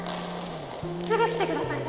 すぐ来てください。